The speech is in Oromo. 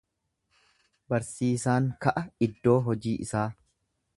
Barsiisaan ka'a iddoo hojii isaa.